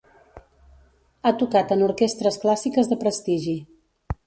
Ha tocat en orquestres clàssiques de prestigi.